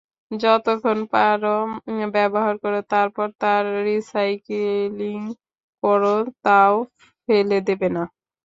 যতক্ষণ পারো ব্যবহার করো, তারপর তার রিসাইক্লিং করো, তাও ফেলে দেবে না।